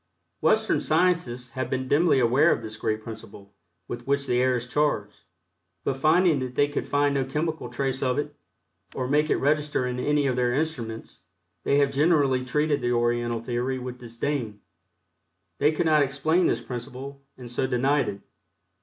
Western scientists have been dimly aware of this great principle with which the air is charged, but finding that they could find no chemical trace of it, or make it register an any of their instruments, they have generally treated the Oriental theory with disdain. They could not explain this principle, and so denied it.